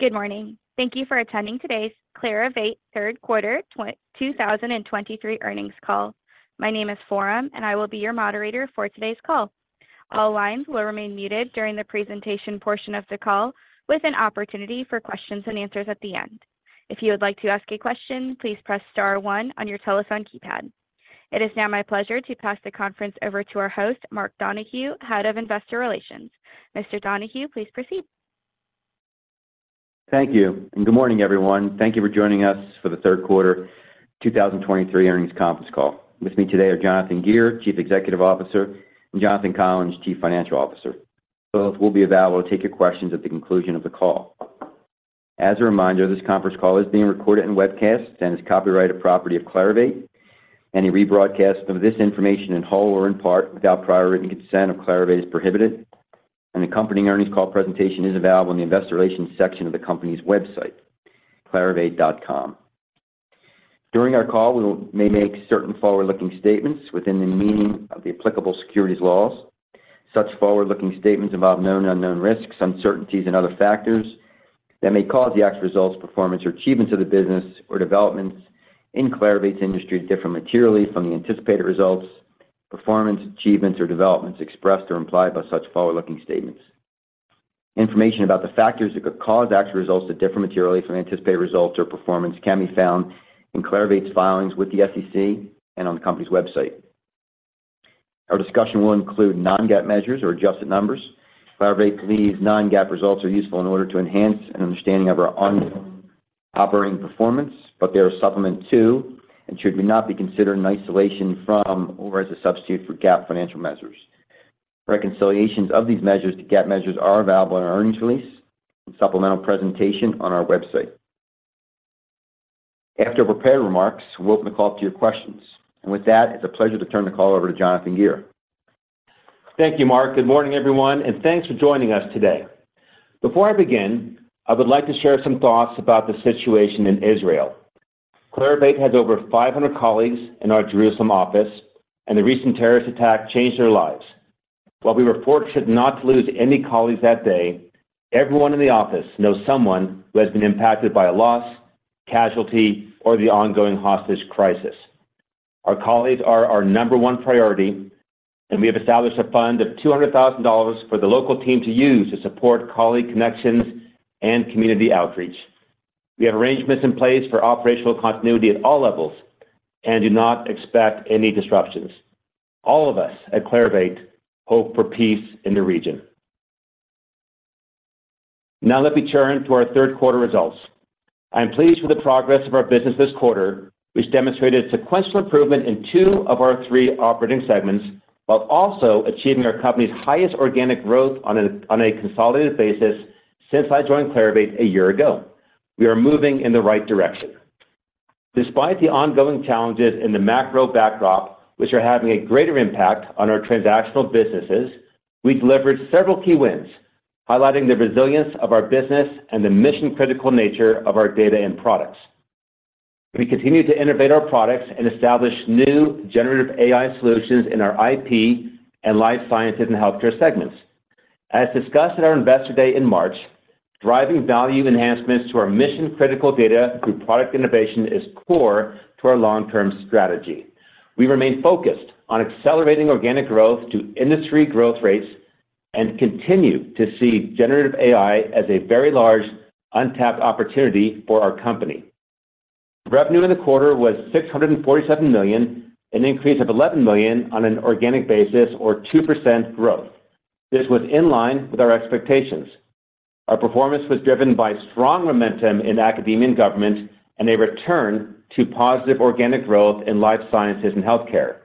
Good morning. Thank you for attending today's Clarivate Third Quarter 2023 earnings call. My name is Forum, and I will be your moderator for today's call. All lines will remain muted during the presentation portion of the call, with an opportunity for questions and answers at the end. If you would like to ask a question, please press star one on your telephone keypad. It is now my pleasure to pass the conference over to our host, Mark Donohue, Head of Investor Relations. Mr. Donohue, please proceed. Thank you, and good morning, everyone. Thank you for joining us for the third quarter 2023 earnings conference call. With me today are Jonathan Gear, Chief Executive Officer, and Jonathan Collins, Chief Financial Officer. Both will be available to take your questions at the conclusion of the call. As a reminder, this conference call is being recorded and webcast and is copyrighted property of Clarivate. Any rebroadcast of this information in whole or in part without prior written consent of Clarivate is prohibited. An accompanying earnings call presentation is available in the Investor Relations section of the company's website, clarivate.com. During our call, we will, may make certain forward-looking statements within the meaning of the applicable securities laws. Such forward-looking statements involve known and unknown risks, uncertainties and other factors that may cause the actual results, performance, or achievements of the business or developments in Clarivate's industry to differ materially from the anticipated results, performance, achievements, or developments expressed or implied by such forward-looking statements. Information about the factors that could cause actual results to differ materially from anticipated results or performance can be found in Clarivate's filings with the SEC and on the company's website. Our discussion will include non-GAAP measures or adjusted numbers. Clarivate believes non-GAAP results are useful in order to enhance an understanding of our ongoing operating performance, but they are supplement to and should not be considered in isolation from, or as a substitute for GAAP financial measures. Reconciliations of these measures to GAAP measures are available in our earnings release and supplemental presentation on our website. After prepared remarks, we'll open the call to your questions. With that, it's a pleasure to turn the call over to Jonathan Gear. Thank you, Mark. Good morning, everyone, and thanks for joining us today. Before I begin, I would like to share some thoughts about the situation in Israel. Clarivate has over 500 colleagues in our Jerusalem office, and the recent terrorist attack changed their lives. While we were fortunate not to lose any colleagues that day, everyone in the office knows someone who has been impacted by a loss, casualty, or the ongoing hostage crisis. Our colleagues are our number one priority, and we have established a fund of $200,000 for the local team to use to support colleague connections and community outreach. We have arrangements in place for operational continuity at all levels and do not expect any disruptions. All of us at Clarivate hope for peace in the region. Now let me turn to our third quarter results. I am pleased with the progress of our business this quarter, which demonstrated sequential improvement in two of our three operating segments, while also achieving our company's highest organic growth on a consolidated basis since I joined Clarivate a year ago. We are moving in the right direction. Despite the ongoing challenges in the macro backdrop, which are having a greater impact on our transactional businesses, we delivered several key wins, highlighting the resilience of our business and the mission-critical nature of our data and products. We continued to innovate our products and establish new generative AI solutions in our IP and Life Sciences and Healthcare segments. As discussed in our Investor Day in March, driving value enhancements to our mission-critical data through product innovation is core to our long-term strategy. We remain focused on accelerating organic growth to industry growth rates and continue to see generative AI as a very large untapped opportunity for our company. Revenue in the quarter was $647 million, an increase of $11 million on an organic basis or 2% growth. This was in line with our expectations. Our performance was driven by strong momentum in Academia & Government and a return to positive organic growth in Life Sciences and Healthcare.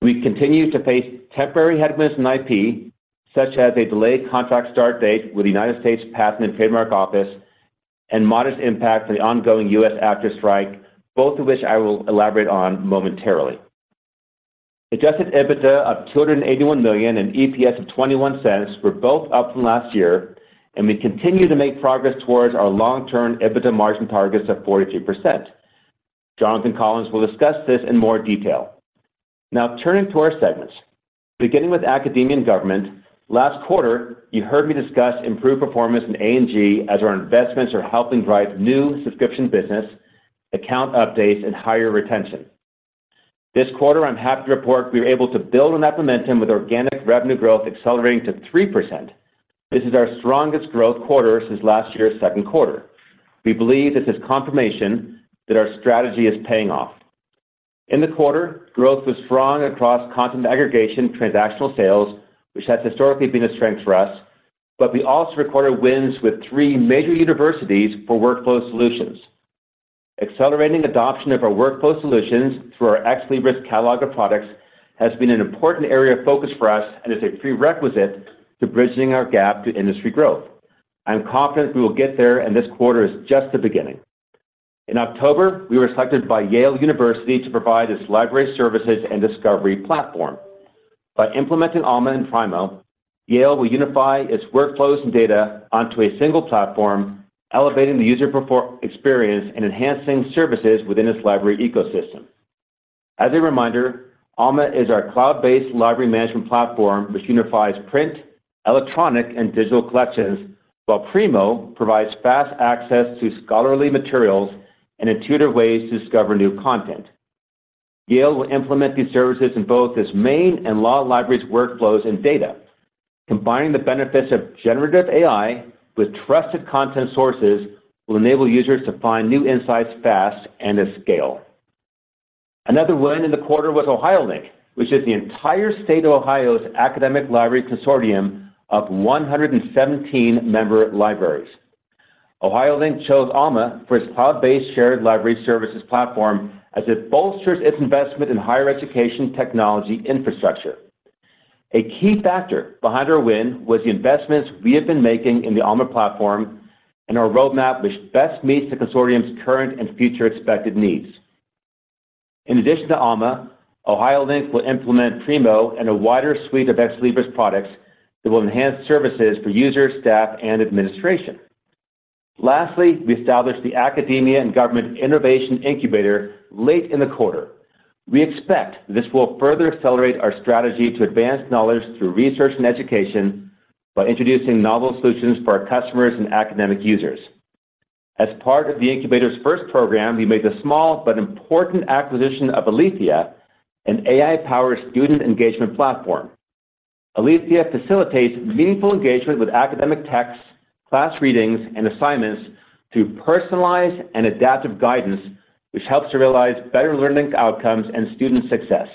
We continue to face temporary headwinds in IP, such as a delayed contract start date with the United States Patent and Trademark Office and modest impact on the ongoing U.S. actor strike, both of which I will elaborate on momentarily. Adjusted EBITDA of $281 million and EPS of $0.21 were both up from last year, and we continue to make progress towards our long-term EBITDA margin targets of 42%. Jonathan Collins will discuss this in more detail. Now, turning to our segments. Beginning with Academia & Government, last quarter, you heard me discuss improved performance in A&G as our investments are helping drive new subscription business, account updates, and higher retention. This quarter, I'm happy to report we were able to build on that momentum with organic revenue growth accelerating to 3%. This is our strongest growth quarter since last year's second quarter. We believe this is confirmation that our strategy is paying off. In the quarter, growth was strong across content aggregation, transactional sales, which has historically been a strength for us, but we also recorded wins with three major universities for workflow solutions. Accelerating adoption of our workflow solutions through our Ex Libris catalog of products has been an important area of focus for us and is a prerequisite to bridging our gap to industry growth. I am confident we will get there, and this quarter is just the beginning. In October, we were selected by Yale University to provide its library services and discovery platform. By implementing Alma and Primo, Yale will unify its workflows and data onto a single platform, elevating the user experience and enhancing services within its library ecosystem. As a reminder, Alma is our cloud-based library management platform, which unifies print, electronic, and digital collections, while Primo provides fast access to scholarly materials and intuitive ways to discover new content. Yale will implement these services in both its main and law libraries workflows and data. Combining the benefits of generative AI with trusted content sources will enable users to find new insights fast and at scale. Another win in the quarter was OhioLINK, which is the entire state of Ohio's academic library consortium of 117 member libraries. OhioLINK chose Alma for its cloud-based shared library services platform as it bolsters its investment in higher education technology infrastructure. A key factor behind our win was the investments we have been making in the Alma platform and our roadmap, which best meets the consortium's current and future expected needs. In addition to Alma, OhioLINK will implement Primo and a wider suite of Ex Libris products that will enhance services for users, staff, and administration. Lastly, we established the Academia & Government Innovation Incubator late in the quarter. We expect this will further accelerate our strategy to advance knowledge through research and education by introducing novel solutions for our customers and academic users. As part of the incubator's first program, we made a small but important acquisition of Alethea, an AI-powered student engagement platform. Alethea facilitates meaningful engagement with academic texts, class readings, and assignments through personalized and adaptive guidance, which helps to realize better learning outcomes and student success.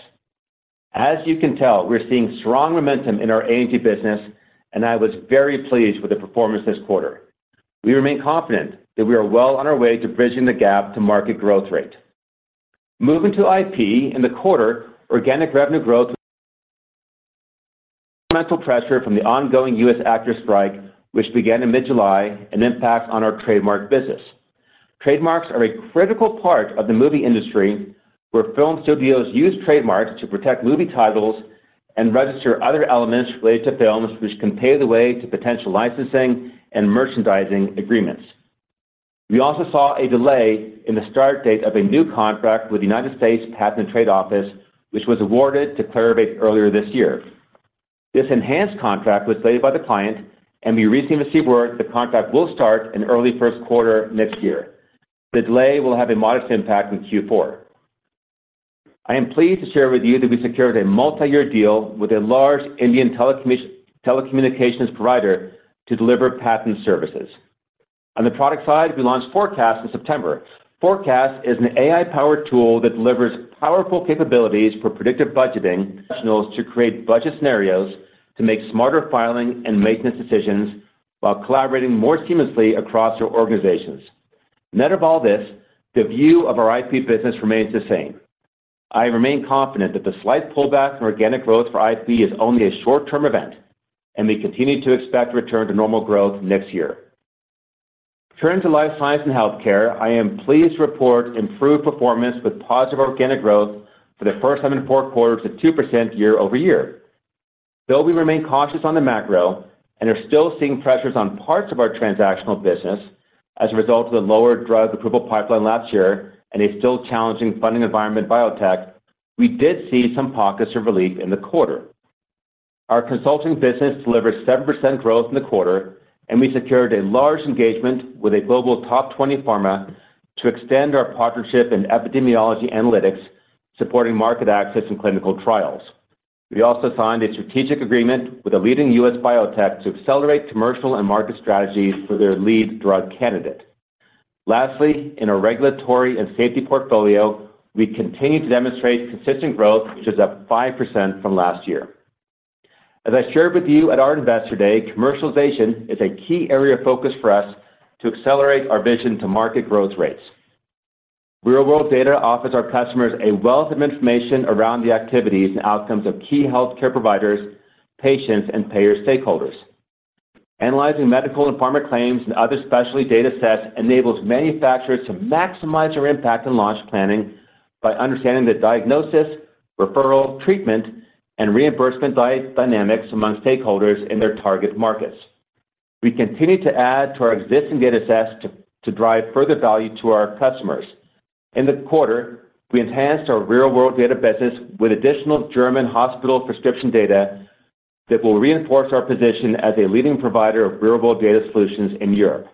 As you can tell, we're seeing strong momentum in our A&G business, and I was very pleased with the performance this quarter. We remain confident that we are well on our way to bridging the gap to market growth rate. Moving to IP, in the quarter, organic revenue growth came under pressure from the ongoing U.S. actors strike, which began in mid-July and impacts on our trademark business. Trademarks are a critical part of the movie industry, where film studios use trademarks to protect movie titles and register other elements related to films, which can pave the way to potential licensing and merchandising agreements. We also saw a delay in the start date of a new contract with the United States Patent and Trademark Office, which was awarded to Clarivate earlier this year. This enhanced contract was delayed by the client, and we recently received word the contract will start in early first quarter next year. The delay will have a modest impact in Q4. I am pleased to share with you that we secured a multi-year deal with a large Indian telecommunications provider to deliver patent services. On the product side, we launched Forecast in September. Forecast is an AI-powered tool that delivers powerful capabilities for predictive budgeting professionals to create budget scenarios, to make smarter filing and maintenance decisions, while collaborating more seamlessly across your organizations. Net of all this, the view of our IP business remains the same. I remain confident that the slight pullback in organic growth for IP is only a short-term event, and we continue to expect return to normal growth next year. Turning to life science and healthcare, I am pleased to report improved performance with positive organic growth for the first time in four quarters at 2% year-over-year. Though we remain cautious on the macro and are still seeing pressures on parts of our transactional business as a result of the lower drug approval pipeline last year and a still challenging funding environment in biotech, we did see some pockets of relief in the quarter. Our consulting business delivered 7% growth in the quarter, and we secured a large engagement with a global top 20 pharma to extend our partnership in epidemiology analytics, supporting market access and clinical trials. We also signed a strategic agreement with a leading U.S. biotech to accelerate commercial and market strategies for their lead drug candidate. Lastly, in our regulatory and safety portfolio, we continue to demonstrate consistent growth, which is up 5% from last year. As I shared with you at our Investor Day, Commercialization is a key area of focus for us to accelerate our vision to market growth rates. Real-world data offers our customers a wealth of information around the activities and outcomes of key healthcare providers, patients, and payer stakeholders. Analyzing medical and pharma claims and other specialty datasets enables manufacturers to maximize their impact on launch planning by understanding the diagnosis, referral, treatment, and reimbursement dynamics among stakeholders in their target markets. We continue to add to our existing datasets to drive further value to our customers. In the quarter, we enhanced our real-world data business with additional German hospital prescription data that will reinforce our position as a leading provider of real-world data solutions in Europe.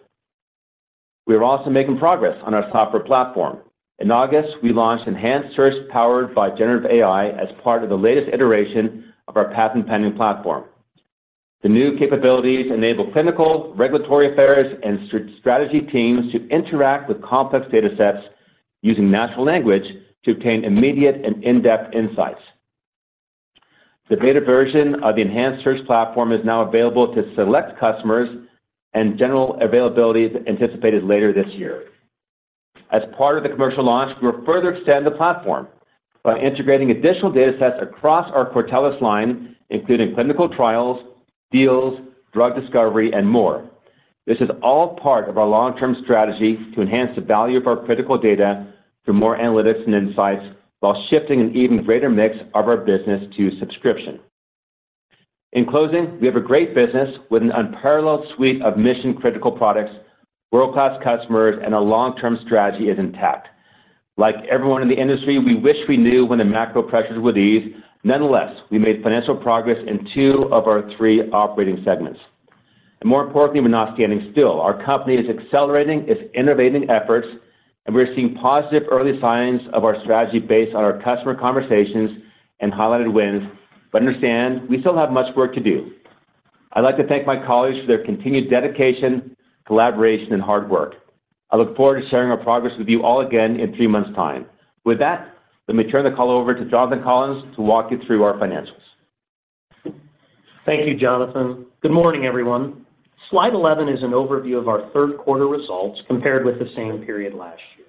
We are also making progress on our software platform. In August, we launched Enhanced Search, powered by Generative AI, as part of the latest iteration of our patent pending platform. The new capabilities enable clinical, regulatory affairs, and strategy teams to interact with complex datasets using natural language to obtain immediate and in-depth insights. The beta version of the Enhanced Search platform is now available to select customers, and general availability is anticipated later this year. As part of the commercial launch, we will further extend the platform by integrating additional datasets across our Cortellis line, including clinical trials, deals, drug discovery, and more. This is all part of our long-term strategy to enhance the value of our critical data through more analytics and insights, while shifting an even greater mix of our business to subscription. In closing, we have a great business with an unparalleled suite of mission-critical products, world-class customers, and our long-term strategy is intact. Like everyone in the industry, we wish we knew when the macro pressures would ease. Nonetheless, we made financial progress in two of our three operating segments. More importantly, we're not standing still. Our company is accelerating its innovating efforts, and we're seeing positive early signs of our strategy based on our customer conversations and highlighted wins. Understand, we still have much work to do. I'd like to thank my colleagues for their continued dedication, collaboration, and hard work. I look forward to sharing our progress with you all again in three months' time. With that, let me turn the call over to Jonathan Collins to walk you through our financials. Thank you, Jonathan. Good morning, everyone. Slide 11 is an overview of our third quarter results compared with the same period last year.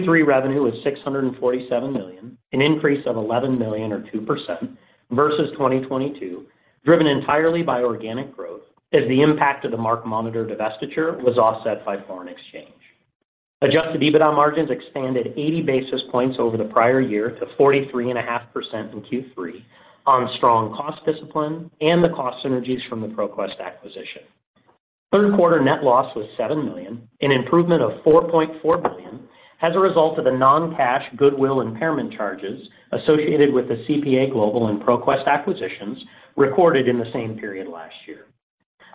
Q3 revenue was $647 million, an increase of $11 million or 2% versus 2022, driven entirely by organic growth, as the impact of the MarkMonitor divestiture was offset by foreign exchange. Adjusted EBITDA margins expanded 80 basis points over the prior year to 43.5% in Q3 on strong cost discipline and the cost synergies from the ProQuest acquisition. Third quarter net loss was $7 million, an improvement of $4.4 billion, as a result of the non-cash goodwill impairment charges associated with the CPA Global and ProQuest acquisitions recorded in the same period last year.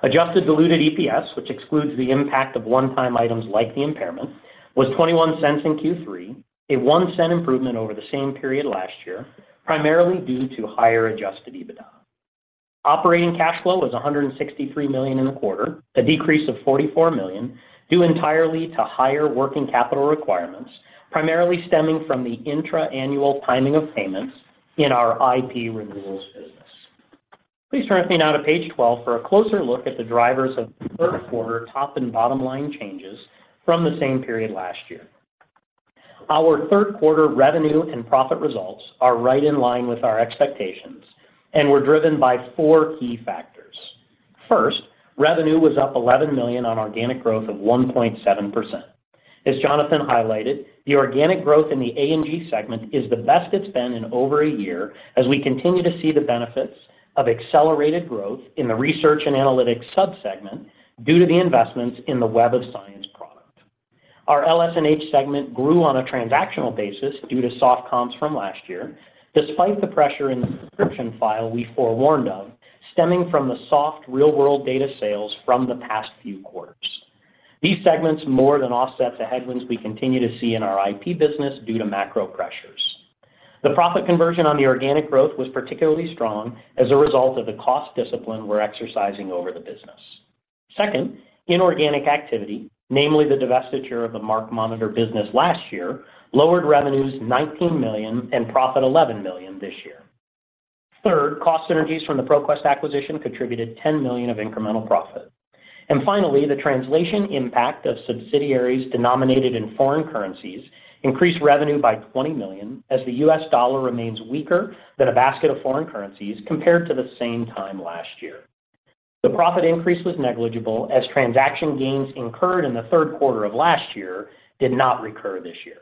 Adjusted diluted EPS, which excludes the impact of one-time items like the impairment, was $0.21 in Q3, a $0.01 improvement over the same period last year, primarily due to higher adjusted EBITDA. Operating cash flow was $163 million in the quarter, a decrease of $44 million, due entirely to higher working capital requirements, primarily stemming from the intra-annual timing of payments in our IP renewals business. Please turn with me now to page 12 for a closer look at the drivers of third quarter top and bottom line changes from the same period last year. Our third quarter revenue and profit results are right in line with our expectations and were driven by four key factors. First, revenue was up $11 million on organic growth of 1.7%. As Jonathan highlighted, the organic growth in the A&G segment is the best it's been in over a year, as we continue to see the benefits of accelerated growth in the research and analytics subsegment due to the investments in the Web of Science product. Our LS&H segment grew on a transactional basis due to soft comps from last year, despite the pressure in the prescription file we forewarned of, stemming from the soft real-world data sales from the past few quarters. These segments more than offset the headwinds we continue to see in our IP business due to macro pressures. The profit conversion on the organic growth was particularly strong as a result of the cost discipline we're exercising over the business. Second, inorganic activity, namely the divestiture of the MarkMonitor business last year, lowered revenues $19 million and profit $11 million this year. Third, cost synergies from the ProQuest acquisition contributed $10 million of incremental profit. And finally, the translation impact of subsidiaries denominated in foreign currencies increased revenue by $20 million, as the US dollar remains weaker than a basket of foreign currencies compared to the same time last year. The profit increase was negligible, as transaction gains incurred in the third quarter of last year did not recur this year.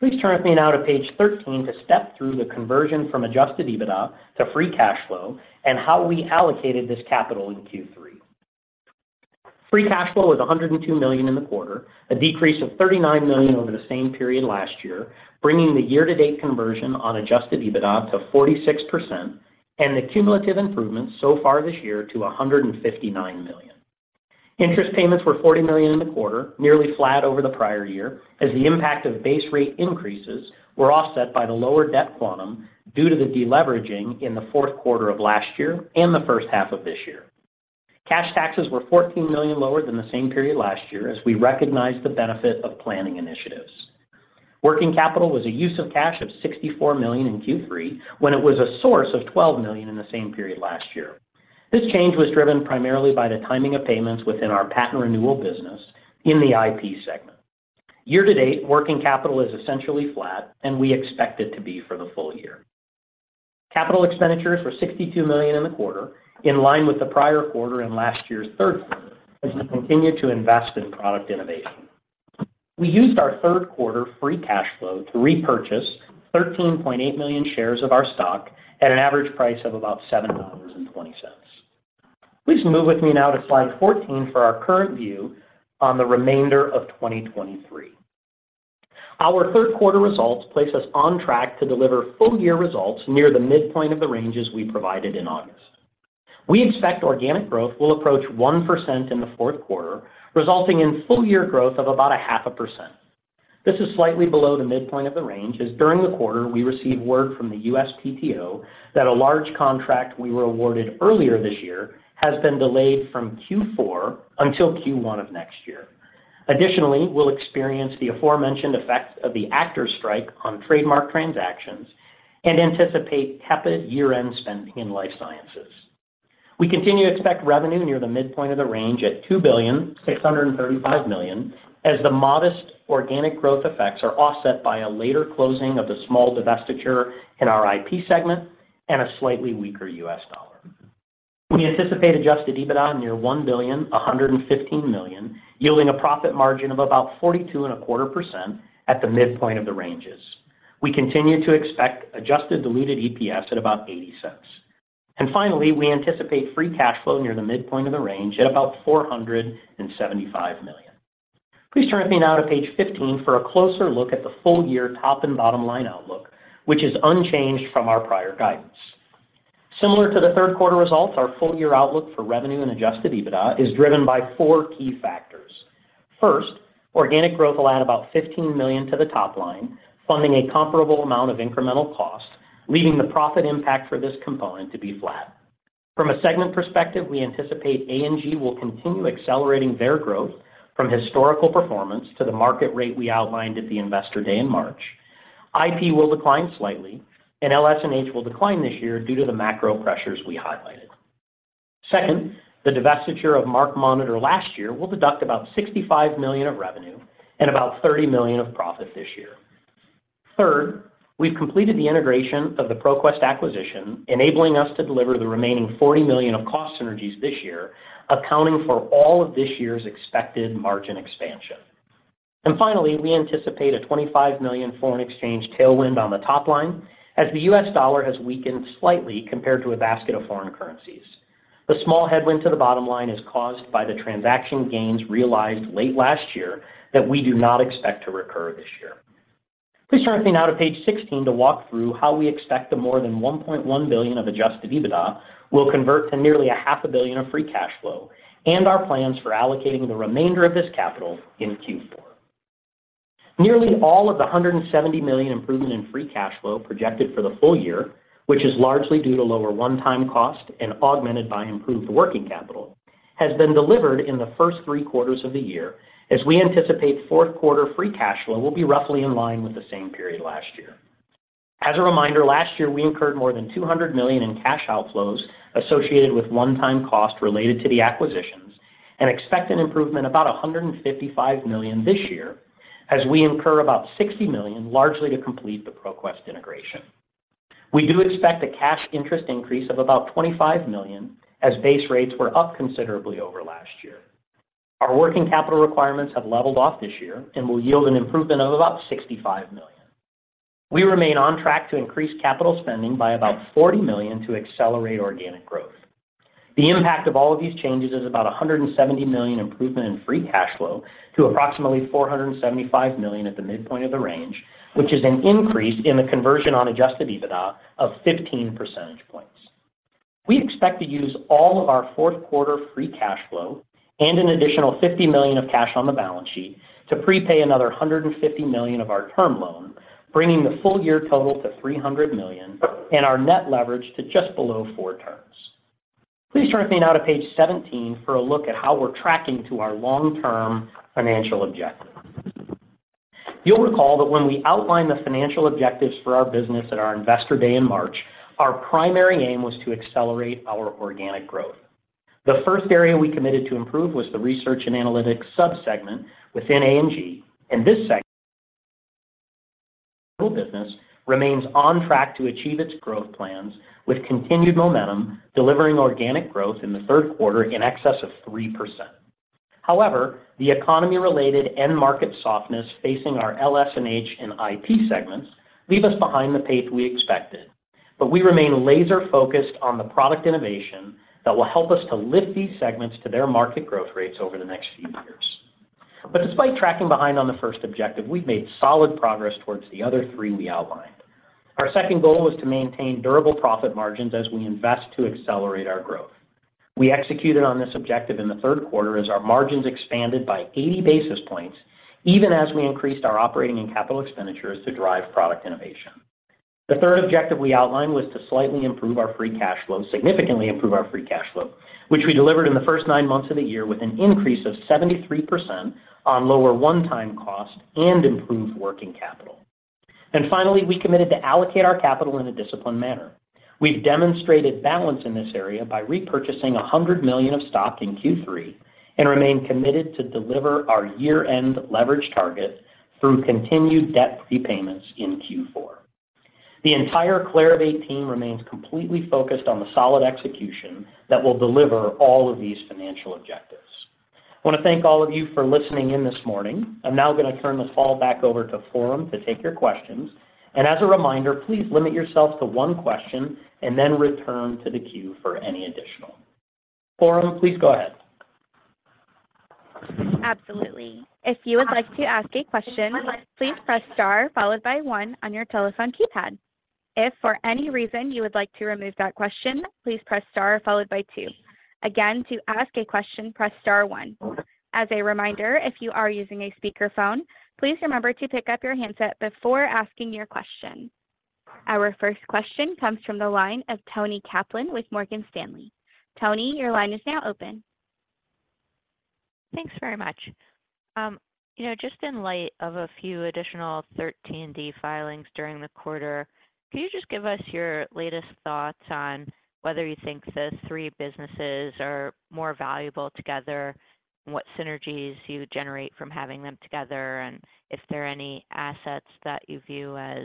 Please turn with me now to page 13 to step through the conversion from adjusted EBITDA to free cash flow and how we allocated this capital in Q3. Free cash flow was $102 million in the quarter, a decrease of $39 million over the same period last year, bringing the year-to-date conversion on adjusted EBITDA to 46% and the cumulative improvement so far this year to $159 million. Interest payments were $40 million in the quarter, nearly flat over the prior year, as the impact of base rate increases were offset by the lower debt quantum due to the deleveraging in the fourth quarter of last year and the first half of this year. Cash taxes were $14 million lower than the same period last year, as we recognized the benefit of planning initiatives. Working capital was a use of cash of $64 million in Q3, when it was a source of $12 million in the same period last year. This change was driven primarily by the timing of payments within our patent renewal business in the IP segment. Year-to-date, working capital is essentially flat, and we expect it to be for the full year. Capital expenditures were $62 million in the quarter, in line with the prior quarter and last year's third quarter, as we continue to invest in product innovation. We used our third quarter free cash flow to repurchase 13.8 million shares of our stock at an average price of about $7.20. Please move with me now to slide 14 for our current view on the remainder of 2023. Our third quarter results place us on track to deliver full-year results near the midpoint of the ranges we provided in August. We expect organic growth will approach 1% in the fourth quarter, resulting in full-year growth of about 0.5%. This is slightly below the midpoint of the range, as during the quarter, we received word from the USPTO that a large contract we were awarded earlier this year has been delayed from Q4 until Q1 of next year. Additionally, we'll experience the aforementioned effects of the actors' strike on trademark transactions and anticipate tepid year-end spending in Life Sciences. We continue to expect revenue near the midpoint of the range at $2.635 billion, as the modest organic growth effects are offset by a later closing of the small divestiture in our IP segment and a slightly weaker U.S. dollar. We anticipate Adjusted EBITDA near $1.115 billion, yielding a profit margin of about 42.25% at the midpoint of the ranges. We continue to expect adjusted diluted EPS at about $0.80. Finally, we anticipate free cash flow near the midpoint of the range at about $475 million. Please turn with me now to page 15 for a closer look at the full year top and bottom line outlook, which is unchanged from our prior guidance. Similar to the third quarter results, our full year outlook for revenue and adjusted EBITDA is driven by four key factors. First, organic growth will add about $15 million to the top line, funding a comparable amount of incremental cost, leaving the profit impact for this component to be flat. From a segment perspective, we anticipate A&G will continue accelerating their growth from historical performance to the market rate we outlined at the Investor Day in March. IP will decline slightly, and LS&H will decline this year due to the macro pressures we highlighted. Second, the divestiture of MarkMonitor last year will deduct about $65 million of revenue and about $30 million of profit this year. Third, we've completed the integration of the ProQuest acquisition, enabling us to deliver the remaining $40 million of cost synergies this year, accounting for all of this year's expected margin expansion. And finally, we anticipate a $25 million foreign exchange tailwind on the top line, as the U.S. dollar has weakened slightly compared to a basket of foreign currencies. The small headwind to the bottom line is caused by the transaction gains realized late last year that we do not expect to recur this year. Please turn with me now to page 16 to walk through how we expect the more than $1.1 billion of Adjusted EBITDA will convert to nearly $0.5 billion of free cash flow, and our plans for allocating the remainder of this capital in Q4. Nearly all of the $170 million improvement in free cash flow projected for the full year, which is largely due to lower one-time cost and augmented by improved working capital, has been delivered in the first three quarters of the year, as we anticipate fourth quarter free cash flow will be roughly in line with the same period last year. As a reminder, last year, we incurred more than $200 million in cash outflows associated with one-time costs related to the acquisitions, and expect an improvement about $155 million this year, as we incur about $60 million, largely to complete the ProQuest integration. We do expect a cash interest increase of about $25 million, as base rates were up considerably over last year. Our working capital requirements have leveled off this year and will yield an improvement of about $65 million. We remain on track to increase capital spending by about $40 million to accelerate organic growth. The impact of all of these changes is about $170 million improvement in free cash flow to approximately $475 million at the midpoint of the range, which is an increase in the conversion on Adjusted EBITDA of 15 percentage points. We expect to use all of our fourth quarter free cash flow and an additional $50 million of cash on the balance sheet to prepay another $150 million of our term loan, bringing the full year total to $300 million and our net leverage to just below 4x. Please turn with me now to page 17 for a look at how we're tracking to our long-term financial objectives. You'll recall that when we outlined the financial objectives for our business at our Investor Day in March, our primary aim was to accelerate our organic growth. The first area we committed to improve was the research and analytics sub-segment within A&G, and this segment business remains on track to achieve its growth plans with continued momentum, delivering organic growth in the third quarter in excess of 3%. However, the economy-related end market softness facing our LS&H and IP segments leave us behind the pace we expected, but we remain laser-focused on the product innovation that will help us to lift these segments to their market growth rates over the next few years. But despite tracking behind on the first objective, we've made solid progress towards the other three we outlined. Our second goal was to maintain durable profit margins as we invest to accelerate our growth. We executed on this objective in the third quarter as our margins expanded by 80 basis points, even as we increased our operating and capital expenditures to drive product innovation. The third objective we outlined was to slightly improve our free cash flow, significantly improve our free cash flow, which we delivered in the first nine months of the year with an increase of 73% on lower one-time costs and improved working capital. Finally, we committed to allocate our capital in a disciplined manner. We've demonstrated balance in this area by repurchasing $100 million of stock in Q3, and remain committed to deliver our year-end leverage target through continued debt prepayments in Q4. The entire Clarivate team remains completely focused on the solid execution that will deliver all of these financial objectives. I want to thank all of you for listening in this morning. I'm now going to turn the call back over to Forum to take your questions. As a reminder, please limit yourselves to one question and then return to the queue for any additional. Forum, please go ahead. Absolutely. If you would like to ask a question, please press star followed by one on your telephone keypad. If for any reason you would like to remove that question, please press star followed by two. Again, to ask a question, press star one. As a reminder, if you are using a speakerphone, please remember to pick up your handset before asking your question. Our first question comes from the line of Toni Kaplan with Morgan Stanley. Toni, your line is now open. Thanks very much. You know, just in light of a few additional 13D filings during the quarter, can you just give us your latest thoughts on whether you think the three businesses are more valuable together, and what synergies you generate from having them together, and if there are any assets that you view as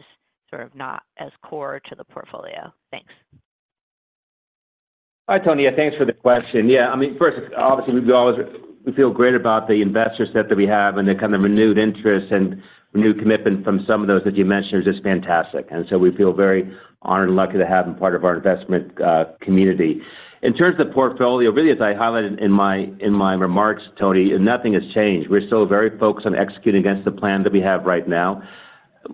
sort of not as core to the portfolio? Thanks. Hi, Toni, thanks for the question. Yeah, I mean, first, obviously, we always, we feel great about the investor set that we have, and the kind of renewed interest and renewed commitment from some of those that you mentioned is just fantastic. And so we feel very honored and lucky to have them part of our investment community. In terms of portfolio, really, as I highlighted in my remarks, Toni, nothing has changed. We're still very focused on executing against the plan that we have right now.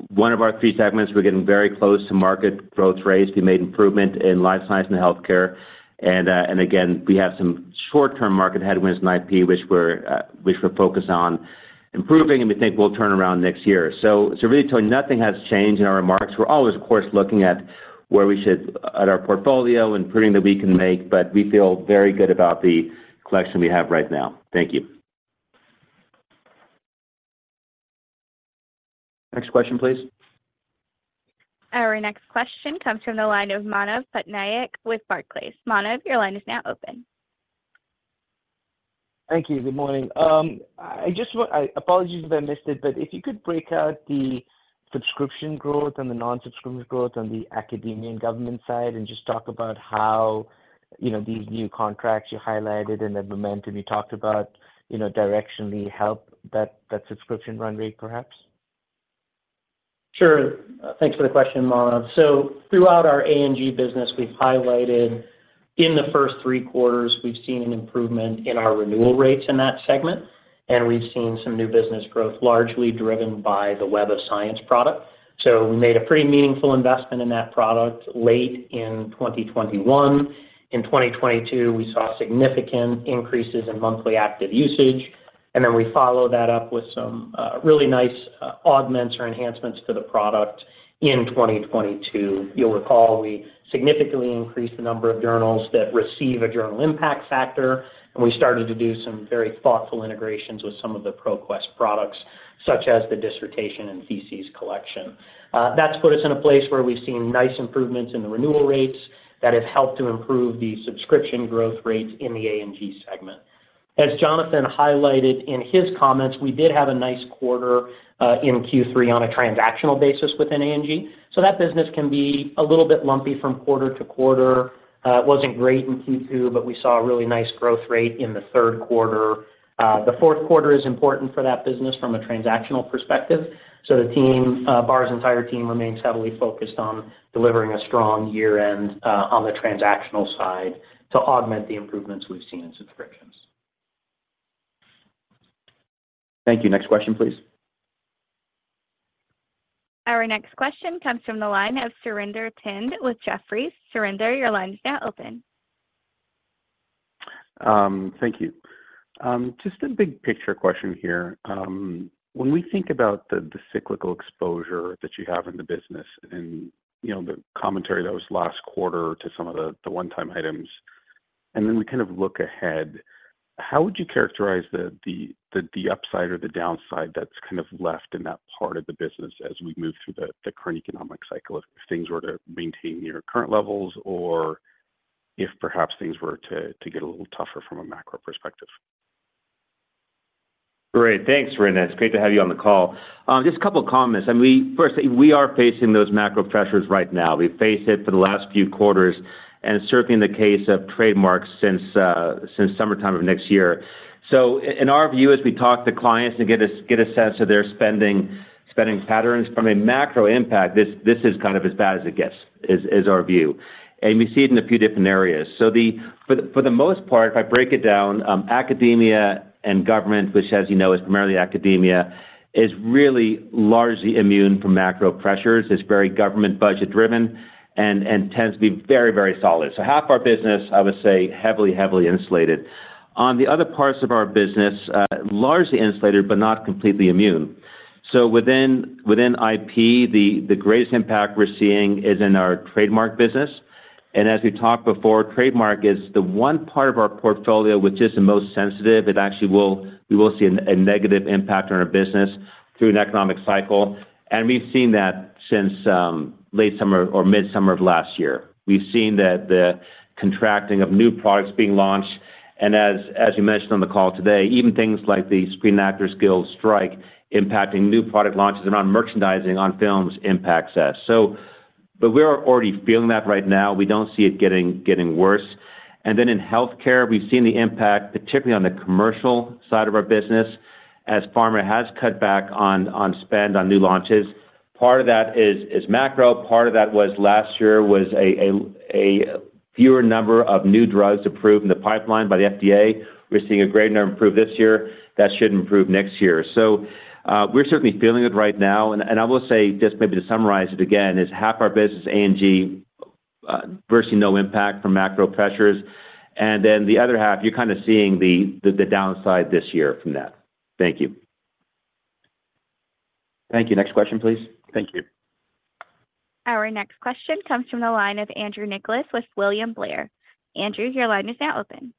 One of our key segments, we're getting very close to market growth rates. We made improvement in life science and healthcare, and again, we have some short-term market headwinds in IP, which we're focused on improving, and we think we'll turn around next year. So really, Toni, nothing has changed in our remarks. We're always, of course, looking at where we should at our portfolio, improving that we can make, but we feel very good about the collection we have right now. Thank you. Next question, please. Our next question comes from the line of Manav Patnaik with Barclays. Manav, your line is now open. Thank you. Good morning. Apologies if I missed it, but if you could break out the subscription growth and the non-subscription growth on the Academia & Government side, and just talk about how, you know, these new contracts you highlighted and the momentum you talked about, you know, directionally help that, that subscription run rate, perhaps? Sure. Thanks for the question, Manav. So throughout our A&G business, we've highlighted in the first three quarters, we've seen an improvement in our renewal rates in that segment, and we've seen some new business growth, largely driven by the Web of Science product. So we made a pretty meaningful investment in that product late in 2021. In 2022, we saw significant increases in monthly active usage, and then we followed that up with some, really nice, augments or enhancements to the product in 2022. You'll recall we significantly increased the number of journals that receive a journal impact factor, and we started to do some very thoughtful integrations with some of the ProQuest products, such as the dissertation and theses collection. That's put us in a place where we've seen nice improvements in the renewal rates that has helped to improve the subscription growth rates in the A&G segment. As Jonathan highlighted in his comments, we did have a nice quarter in Q3 on a transactional basis within A&G. So that business can be a little bit lumpy from quarter to quarter. It wasn't great in Q2, but we saw a really nice growth rate in the third quarter. The fourth quarter is important for that business from a transactional perspective, so the team, Bar's entire team remains heavily focused on delivering a strong year-end on the transactional side to augment the improvements we've seen in subscriptions. Thank you. Next question, please. Our next question comes from the line of Surinder Thind with Jefferies. Surinder, your line is now open. Thank you. Just a big picture question here. When we think about the cyclical exposure that you have in the business and, you know, the commentary that was last quarter to some of the one-time items, and then we kind of look ahead, how would you characterize the upside or the downside that's kind of left in that part of the business as we move through the current economic cycle, if things were to maintain your current levels or if perhaps things were to get a little tougher from a macro perspective? Great. Thanks, Surinder. It's great to have you on the call. Just a couple of comments. I mean, firstly, we are facing those macro pressures right now. We've faced it for the last few quarters, and certainly in the case of trademarks since since summertime of next year. So in our view, as we talk to clients to get a, get a sense of their spending, spending patterns from a macro impact, this, this is kind of as bad as it gets, is, is our view. And we see it in a few different areas. So for the, for the most part, if I break it down, Academia & Government, which, as you know, is primarily academia, is really largely immune from macro pressures. It's very government budget driven and, and tends to be very, very solid. So half our business, I would say, heavily, heavily insulated. On the other parts of our business, largely insulated, but not completely immune. So within IP, the greatest impact we're seeing is in our trademark business. And as we talked before, trademark is the one part of our portfolio which is the most sensitive. It actually we will see a negative impact on our business through an economic cycle, and we've seen that since late summer or midsummer of last year. We've seen that the contracting of new products being launched, and as you mentioned on the call today, even things like the Screen Actors Guild strike, impacting new product launches and on merchandising on films impacts us. But we're already feeling that right now. We don't see it getting worse. Then in healthcare, we've seen the impact, particularly on the commercial side of our business, as pharma has cut back on spend on new launches. Part of that is macro, part of that was last year, a fewer number of new drugs approved in the pipeline by the FDA. We're seeing a greater number approved this year. That should improve next year. So, we're certainly feeling it right now, and I will say, just maybe to summarize it again, half our business is A&G, virtually no impact from macro pressures, and then the other half, you're kind of seeing the downside this year from that. Thank you. Thank you. Next question, please. Thank you. Our next question comes from the line of Andrew Nicholas with William Blair. Andrew, your line is now open.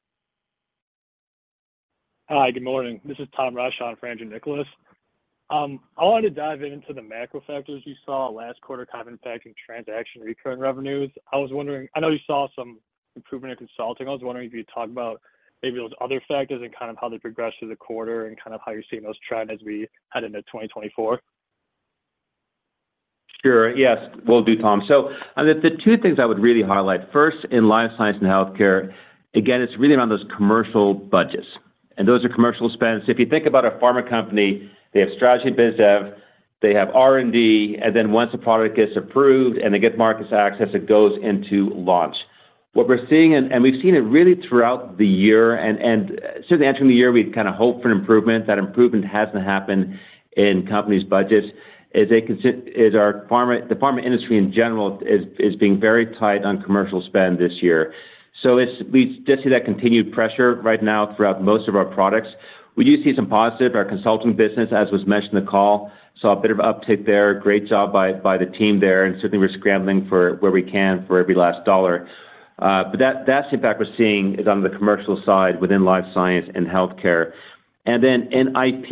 Hi, good morning. This is Tom Roesch for Andrew Nicholas. I wanted to dive into the macro factors you saw last quarter kind of impacting transaction recurring revenues. I was wondering. I know you saw some improvement in consulting. I was wondering if you'd talk about maybe those other factors and kind of how they progressed through the quarter, and kind of how you're seeing those trend as we head into 2024. Sure. Yes, will do, Tom. So, the two things I would really highlight, first, in life science and healthcare, again, it's really around those commercial budgets, and those are commercial spends. If you think about a pharma company, they have strategy business dev, they have R&D, and then once the product gets approved and they get market access, it goes into launch. What we're seeing, we've seen it really throughout the year, and certainly entering the year, we'd kind of hoped for an improvement. That improvement hasn't happened in companies' budgets. The pharma industry in general is being very tight on commercial spend this year. So it's we just see that continued pressure right now throughout most of our products. We do see some positive. Our consulting business, as was mentioned in the call, saw a bit of uptick there. Great job by the team there, and certainly we're scrambling for where we can for every last dollar. But that, that's the impact we're seeing is on the commercial side within life science and healthcare. And then in IP,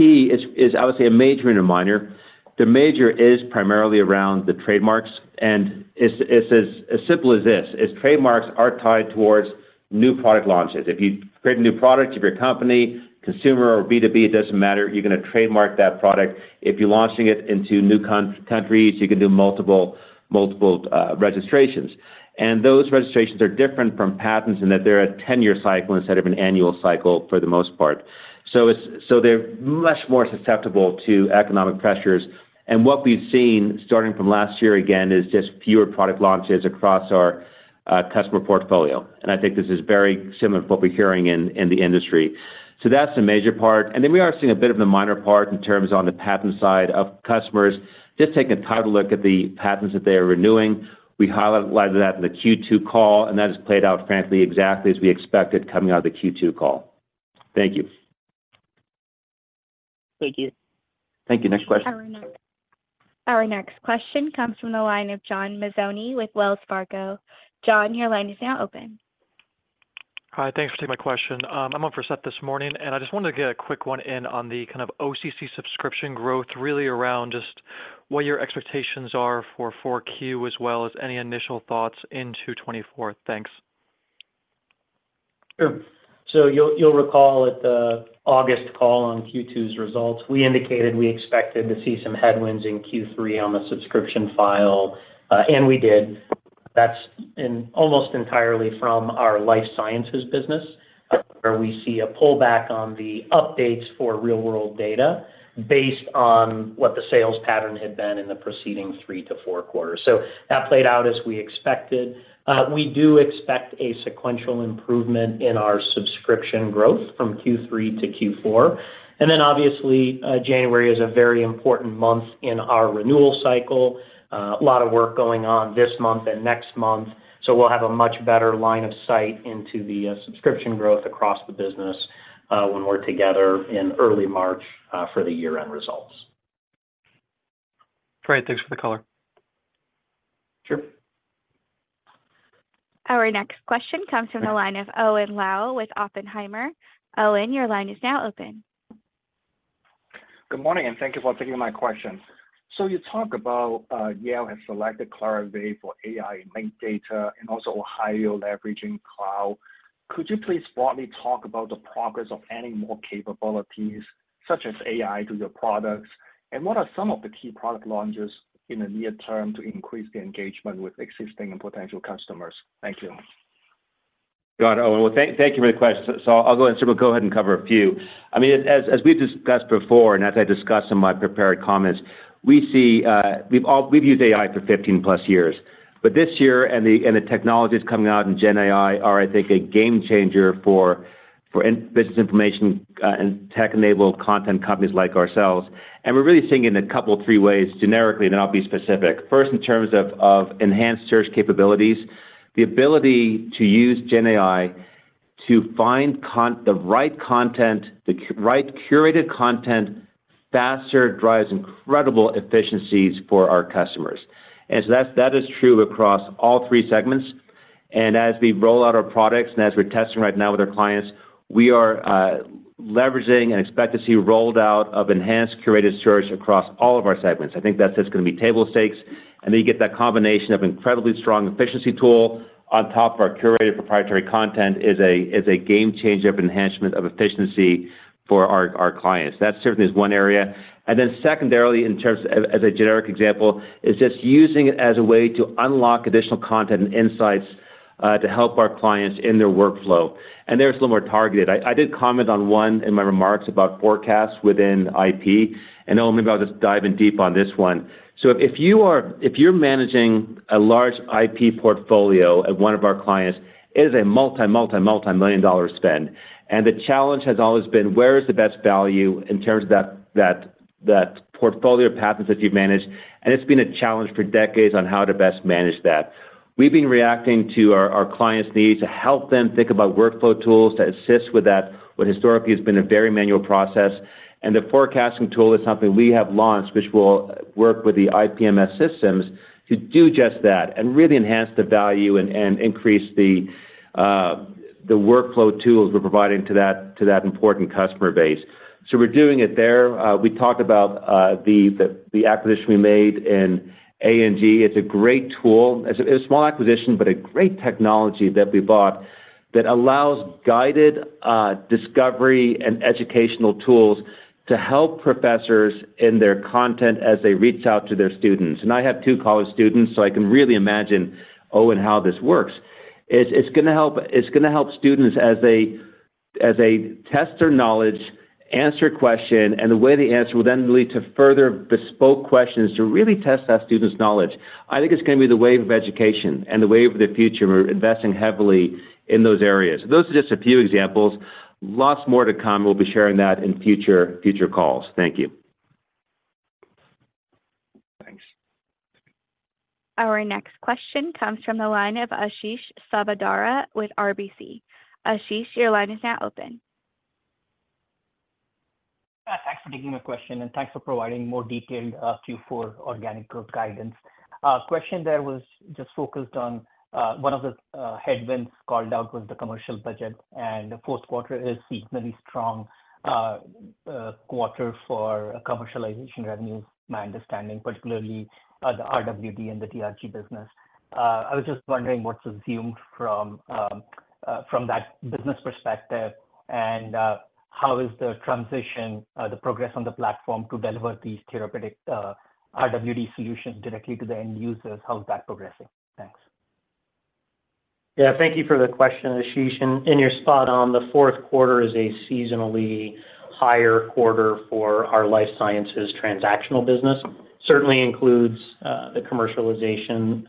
it's obviously a major and a minor. The major is primarily around the trademarks, and it's as simple as this: as trademarks are tied towards new product launches. If you create a new product, if you're a company, consumer or B2B, it doesn't matter, you're gonna trademark that product. If you're launching it into new countries, you can do multiple registrations. And those registrations are different from patents in that they're a 10-year cycle instead of an annual cycle for the most part. So they're much more susceptible to economic pressures. And what we've seen, starting from last year, again, is just fewer product launches across our customer portfolio. And I think this is very similar to what we're hearing in the industry. So that's the major part. And then we are seeing a bit of the minor part in terms on the patent side of customers, just taking a tighter look at the patents that they are renewing. We highlighted that in the Q2 call, and that has played out, frankly, exactly as we expected coming out of the Q2 call. Thank you. Thank you. Thank you. Next question. Our next question comes from the line of John Mazzoni with Wells Fargo. John, your line is now open. Hi, thanks for taking my question. I'm on for Seth this morning, and I just wanted to get a quick one in on the kind of OCC subscription growth, really around just what your expectations are for 4Q, as well as any initial thoughts into 2024. Thanks. Sure. So you'll recall at the August call on Q2's results, we indicated we expected to see some headwinds in Q3 on the subscription side, and we did. That's almost entirely from our Life Sciences business, where we see a pullback on the updates for real-world data based on what the sales pattern had been in the preceding three to four quarters. So that played out as we expected. We do expect a sequential improvement in our subscription growth from Q3 to Q4. And then obviously, January is a very important month in our renewal cycle. A lot of work going on this month and next month, so we'll have a much better line of sight into the subscription growth across the business when we're together in early March for the year-end results. Great. Thanks for the color. Sure. Our next question comes from the line of Owen Lau with Oppenheimer. Owen, your line is now open. Good morning, and thank you for taking my question. You talked about Yale has selected Clarivate for AI and data and also OhioLINK leveraging cloud. Could you please broadly talk about the progress of adding more capabilities, such as AI, to your products? And what are some of the key product launches in the near term to increase the engagement with existing and potential customers? Thank you. Got it, Owen. Well, thank you for the question. So I'll go ahead and sort of go ahead and cover a few. I mean, as we've discussed before, and as I discussed in my prepared comments, we see we've used AI for 15+ years. But this year, and the technologies coming out in Gen AI are, I think, a game changer for business information, and tech-enabled content companies like ourselves. And we're really seeing it in a couple, three ways, generically, and I'll be specific. First, in terms of enhanced search capabilities, the ability to use Gen AI to find the right content, the right curated content faster, drives incredible efficiencies for our customers. And so that's, that is true across all three segments. And as we roll out our products and as we're testing right now with our clients, we are leveraging and expect to see rolled out of enhanced curated search across all of our segments. I think that's just gonna be table stakes. And then you get that combination of incredibly strong efficiency tool on top of our curated proprietary content is a game changer of enhancement of efficiency for our clients. That certainly is one area. And then secondarily, in terms of, as a generic example, is just using it as a way to unlock additional content and insights to help our clients in their workflow. And they're still more targeted. I did comment on one in my remarks about forecasts within IP, and Owen, maybe I'll just dive in deep on this one. So if you're managing a large IP portfolio at one of our clients, it is a multi-multi-multimillion-dollar spend. And the challenge has always been: where is the best value in terms of that portfolio of patents that you manage? And it's been a challenge for decades on how to best manage that. We've been reacting to our clients' needs to help them think about workflow tools to assist with that, what historically has been a very manual process. And the forecasting tool is something we have launched, which will work with the IPMS systems to do just that, and really enhance the value and increase the workflow tools we're providing to that important customer base. So we're doing it there. We talked about the acquisition we made in A&G. It's a great tool. It's a small acquisition, but a great technology that we bought.that allows guided discovery and educational tools to help professors in their content as they reach out to their students. And I have two college students, so I can really imagine, oh, and how this works. It's, it's gonna help, it's gonna help students as they test their knowledge, answer a question, and the way they answer will then lead to further bespoke questions to really test that student's knowledge. I think it's gonna be the wave of education and the wave of the future. We're investing heavily in those areas. Those are just a few examples. Lots more to come. We'll be sharing that in future calls. Thank you. Thanks. Our next question comes from the line of Ashish Sabadra with RBC. Ashish, your line is now open. Thanks for taking my question, and thanks for providing more detailed, Q4 organic growth guidance. Question there was just focused on, one of the, headwinds called out was the commercial budget, and the fourth quarter is seasonally strong, quarter for Commercialization revenue, my understanding, particularly, the RWD and the DRG business. I was just wondering what's assumed from, from that business perspective, and, how is the transition, the progress on the platform to deliver these therapeutic, RWD solutions directly to the end users? How is that progressing? Thanks. Yeah, thank you for the question, Ashish. And you're spot on. The fourth quarter is a seasonally higher quarter for our Life Sciences transactional business. Certainly includes the Commercialization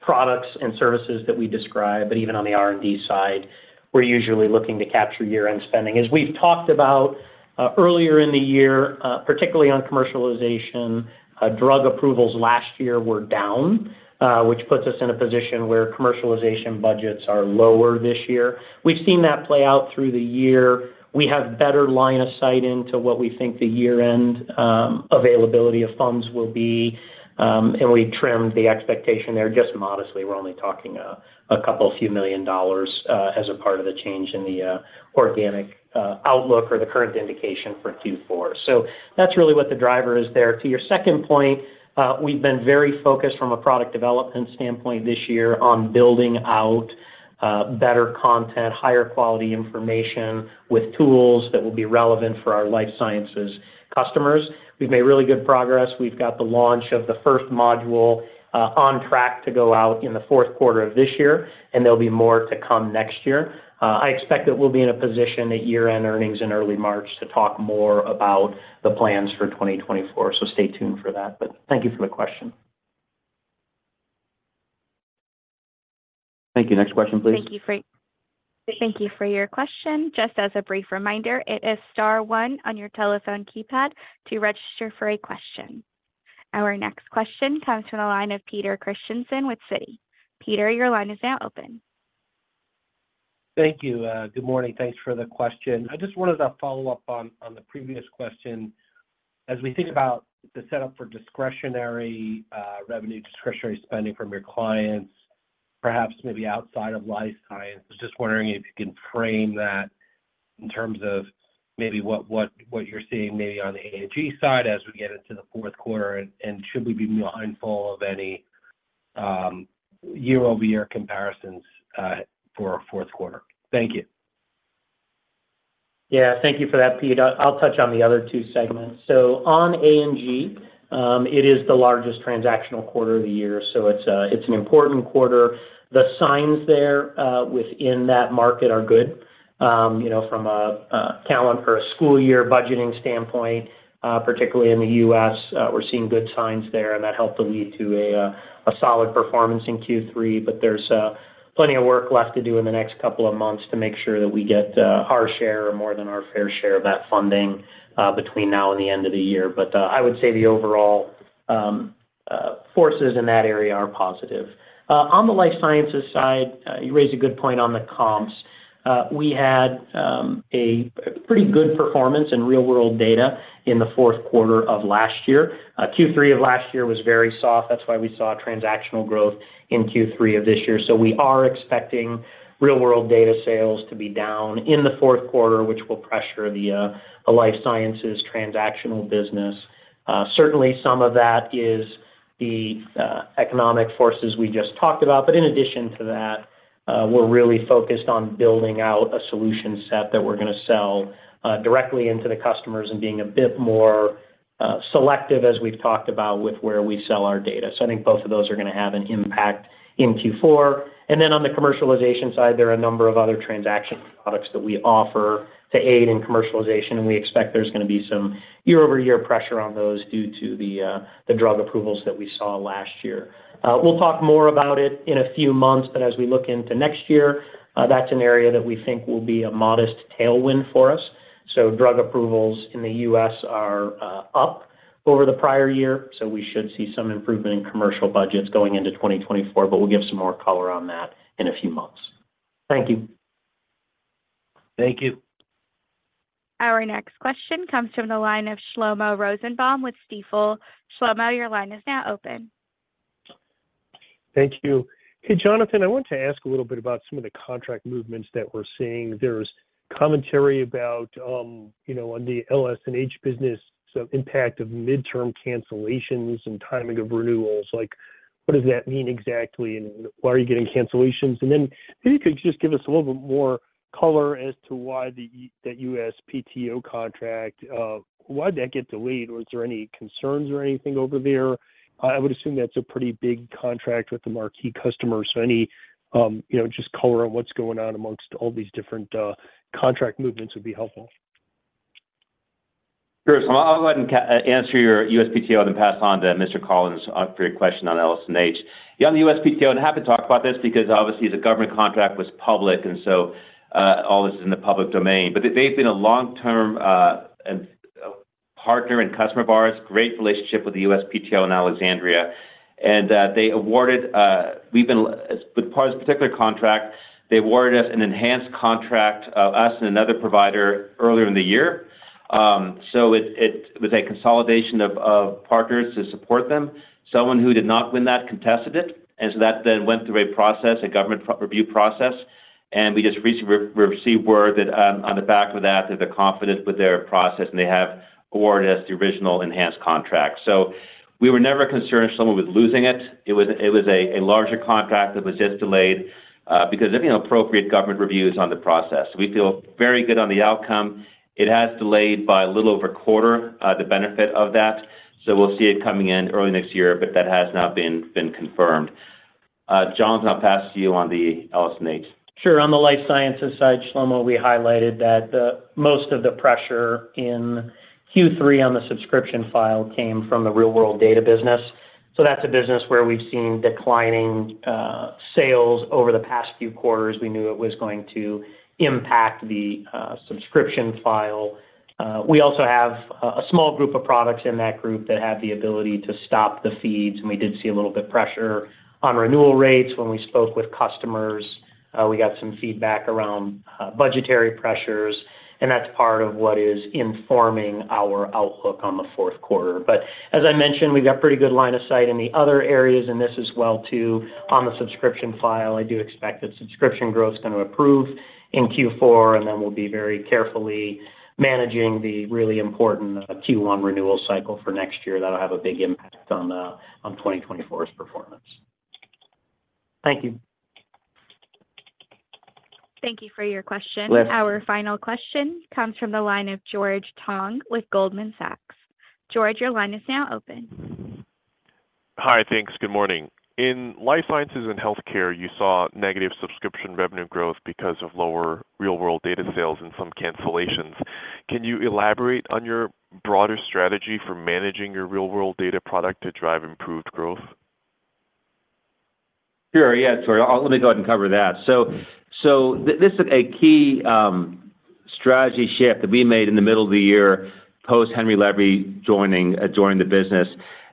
products and services that we describe, but even on the R&D side, we're usually looking to capture year-end spending. As we've talked about earlier in the year, particularly on Commercialization, drug approvals last year were down, which puts us in a position where Commercialization budgets are lower this year. We've seen that play out through the year. We have better line of sight into what we think the year-end availability of funds will be, and we trimmed the expectation there just modestly. We're only talking a couple few million dollars as a part of the change in the organic outlook or the current indication for Q4. So that's really what the driver is there. To your second point, we've been very focused from a product development standpoint this year on building out, better content, higher quality information with tools that will be relevant for our Life Sciences customers. We've made really good progress. We've got the launch of the first module, on track to go out in the fourth quarter of this year, and there'll be more to come next year. I expect that we'll be in a position at year-end earnings in early March to talk more about the plans for 2024, so stay tuned for that. But thank you for the question. Thank you. Next question, please. Thank you for your question. Just as a brief reminder, it is star one on your telephone keypad to register for a question. Our next question comes from the line of Peter Christiansen with Citi. Peter, your line is now open. Thank you. Good morning. Thanks for the question. I just wanted to follow up on the previous question. As we think about the setup for discretionary revenue, discretionary spending from your clients, perhaps maybe outside of life science, just wondering if you can frame that in terms of maybe what you're seeing maybe on the A&G side as we get into the fourth quarter, and should we be mindful of any year-over-year comparisons for our fourth quarter? Thank you. Yeah, thank you for that, Pete. I'll touch on the other two segments. So on A&G, it is the largest transactional quarter of the year, so it's an important quarter. The signs there within that market are good. You know, from a calendar or a school year budgeting standpoint, particularly in the U.S., we're seeing good signs there, and that helped to lead to a solid performance in Q3. But there's plenty of work left to do in the next couple of months to make sure that we get our share or more than our fair share of that funding between now and the end of the year. But I would say the overall forces in that area are positive. On the Life Sciences side, you raised a good point on the comps. We had a pretty good performance in real-world data in the fourth quarter of last year. Q3 of last year was very soft. That's why we saw transactional growth in Q3 of this year. So we are expecting real-world data sales to be down in the fourth quarter, which will pressure the Life Sciences transactional business. Certainly, some of that is the economic forces we just talked about. But in addition to that, we're really focused on building out a solution set that we're going to sell directly into the customers and being a bit more selective, as we've talked about, with where we sell our data. So I think both of those are going to have an impact in Q4. Then on the Commercialization side, there are a number of other transaction products that we offer to aid in Commercialization, and we expect there's going to be some year-over-year pressure on those due to the drug approvals that we saw last year. We'll talk more about it in a few months, but as we look into next year, that's an area that we think will be a modest tailwind for us. So drug approvals in the U.S. are up over the prior year, so we should see some improvement in commercial budgets going into 2024, but we'll give some more color on that in a few months. Thank you. Thank you. Our next question comes from the line of Shlomo Rosenbaum with Stifel. Shlomo, your line is now open. Thank you. Hey, Jonathan, I want to ask a little bit about some of the contract movements that we're seeing. There's commentary about, you know, on the LS&H business, so impact of midterm cancellations and timing of renewals. Like, what does that mean exactly, and why are you getting cancellations? And then if you could just give us a little bit more color as to why the USPTO contract, why'd that get delayed? Was there any concerns or anything over there? I would assume that's a pretty big contract with the marquee customer. So any, you know, just color on what's going on amongst all these different contract movements would be helpful. Sure. So I'll go ahead and answer your USPTO and then pass on to Mr. Collins for your question on LS&H. Yeah, on the USPTO, and happy to talk about this because obviously the government contract was public, and so all this is in the public domain. But they, they've been a long-term and partner and customer of ours, great relationship with the USPTO in Alexandria. And they awarded... we've been, as with part of this particular contract, they awarded us an enhanced contract, us and another provider earlier in the year. So it was a consolidation of partners to support them. Someone who did not win that contested it, and so that then went through a process, a government review process, and we just recently we received word that, on the back of that, that they're confident with their process, and they have awarded us the original enhanced contract. So we were never concerned if someone was losing it. It was a larger contract that was just delayed, because of, you know, appropriate government reviews on the process. We feel very good on the outcome. It has delayed by a little over a quarter, the benefit of that, so we'll see it coming in early next year, but that has now been confirmed. Jon, I'll pass to you on the LS&H. Sure. On the Life Sciences side, Shlomo, we highlighted that most of the pressure in Q3 on the subscription file came from the real-world data business. So that's a business where we've seen declining sales over the past few quarters. We knew it was going to impact the subscription file. We also have a small group of products in that group that have the ability to stop the feeds, and we did see a little bit pressure on renewal rates. When we spoke with customers, we got some feedback around budgetary pressures, and that's part of what is informing our outlook on the fourth quarter. But as I mentioned, we've got pretty good line of sight in the other areas, and this as well too. On the subscription file, I do expect that subscription growth is gonna improve in Q4, and then we'll be very carefully managing the really important Q1 renewal cycle for next year. That'll have a big impact on 2024's performance. Thank you. Thank you for your question. Our final question comes from the line of George Tong with Goldman Sachs. George, your line is now open. Hi, thanks. Good morning. In Life Sciences and Healthcare, you saw negative subscription revenue growth because of lower real-world data sales and some cancellations. Can you elaborate on your broader strategy for managing your real-world data product to drive improved growth? Sure, yeah. Sorry, I'll let me go ahead and cover that. So, this is a key strategy shift that we made in the middle of the year, post Henry Levy joining, joining the business.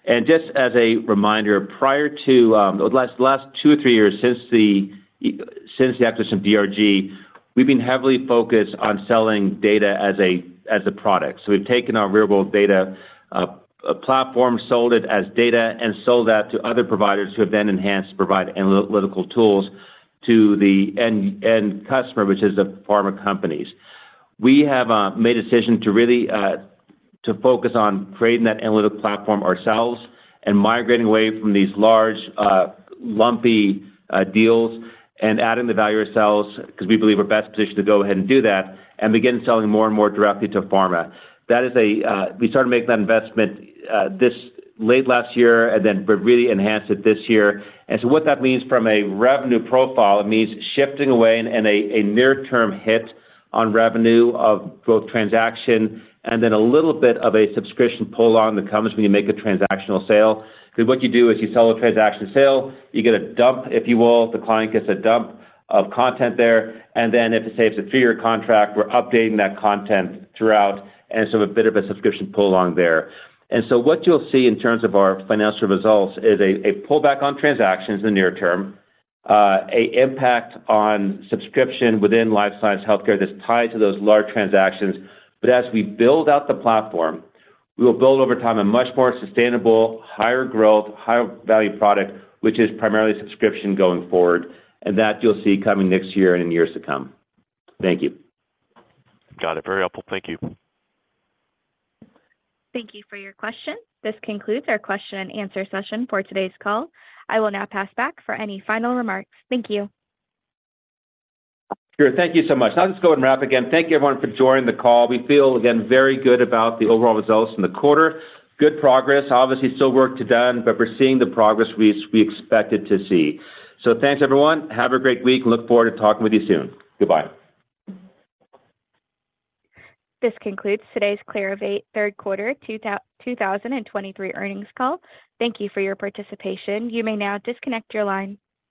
And just as a reminder, prior to the last two or three years since the acquisition of DRG, we've been heavily focused on selling data as a product. So we've taken our real-world data platform, sold it as data, and sold that to other providers who have then enhanced to provide analytical tools to the end customer, which is the pharma companies. We have made a decision to really to focus on creating that analytical platform ourselves and migrating away from these large lumpy deals and adding the value ourselves, because we believe we're best positioned to go ahead and do that, and begin selling more and more directly to pharma. That is a... we started making that investment this late last year and then but really enhanced it this year. And so what that means from a revenue profile, it means shifting away and a near-term hit on revenue of both transaction and then a little bit of a subscription pull-on that comes when you make a transactional sale. Because what you do is you sell a transaction sale, you get a dump, if you will, the client gets a dump of content there, and then if it's a, it's a [feed] contract, we're updating that content throughout, and so a bit of a subscription pull-on there. And so what you'll see in terms of our financial results is a, a pullback on transactions in the near term, a impact on subscription within Life Sciences & Healthcare that's tied to those large transactions. But as we build out the platform, we will build over time a much more sustainable, higher growth, higher value product, which is primarily subscription going forward, and that you'll see coming next year and in years to come. Thank you. Got it. Very helpful. Thank you. Thank you for your question. This concludes our question and answer session for today's call. I will now pass back for any final remarks. Thank you. Sure, thank you so much. I'll just go ahead and wrap again. Thank you everyone for joining the call. We feel, again, very good about the overall results in the quarter. Good progress. Obviously, still work to be done, but we're seeing the progress we expected to see. So thanks, everyone. Have a great week. Look forward to talking with you soon. Goodbye. This concludes today's Clarivate third quarter 2023 earnings call. Thank you for your participation. You may now disconnect your line.